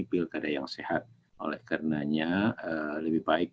pilkada yang sehat oleh karenanya lebih baik